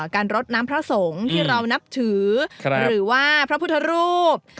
รดน้ำพระสงฆ์ที่เรานับถือหรือว่าพระพุทธรูป